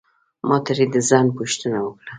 ما ترې د ځنډ پوښتنه وکړه.